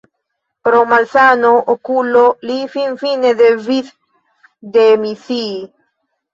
Pro malsano okula li finfine devis demisii.